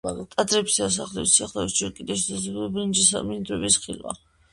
ტაძრებისა და სახლების სიახლოვეს ჯერ კიდევ შესაძლებელია ბრინჯის მინდვრების ხილვა.